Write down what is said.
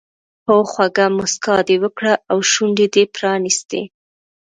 هو خوږه موسکا دې وکړه او شونډې دې پرانیستې.